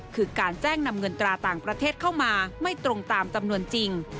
คือการแจ้งนำเงินตราต่างประเทศเข้ามาไม่ตรงตามจำนวนจริง